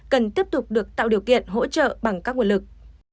cần tiếp tục được tạo điều kiện hỗ trợ bằng các nguồn lực